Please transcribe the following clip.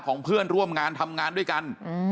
เพื่อนร่วมงานทำงานด้วยกัน